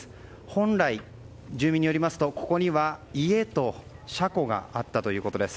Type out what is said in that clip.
本来、住民によりますとここには家と車庫があったということです。